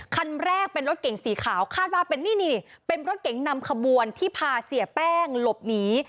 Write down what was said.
คันแรกเป็นรถเก่งสีขาวคาดว่าเป็นนี่นี่เป็นรถเก๋งนำขบวนที่พาเสียแป้งหลบหนี